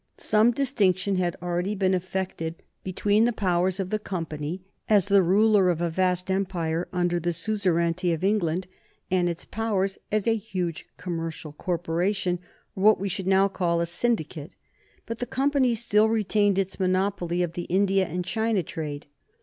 Some distinction had already been effected between the powers of the Company as the ruler of a vast Empire under the suzerainty of England, and its powers as a huge commercial corporation, or what we should now call a syndicate, but the company still retained its monopoly of the India and China trade.